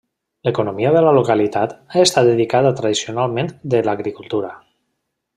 L'economia de la localitat ha estat dedicada tradicionalment de l'agricultura.